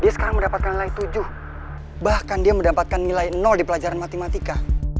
sebenernya dia mendapatkan nilai di pelajaran matematika